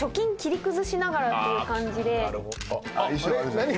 何？